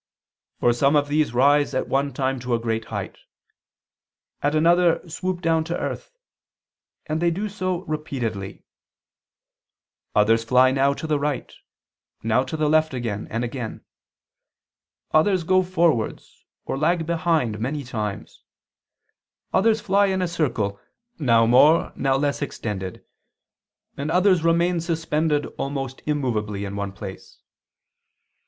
"For some of these rise at one time to a great height, at another swoop down to earth, and they do so repeatedly; others fly now to the right, now to the left again and again; others go forwards or lag behind many times; others fly in a circle now more now less extended; and others remain suspended almost immovably in one place."